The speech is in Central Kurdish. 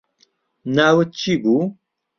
ناوت چی بوو